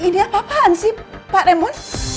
ini apa apaan sih pak remon